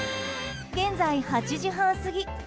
現在、８時半過ぎ。